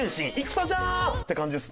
戦じゃ！って感じです。